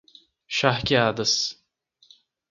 Charqueadas